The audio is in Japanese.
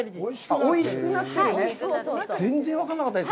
おいしくなってるんです。